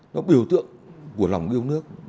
nó biểu tượng của lòng yêu nước